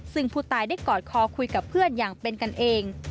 ซึ่งผู้ตายได้กอดคอคุยกับเพื่อนอย่างเป็นกันเอง